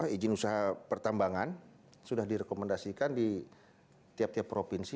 izin usaha pertambangan sudah direkomendasikan di tiap tiap provinsi